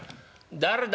「誰だ？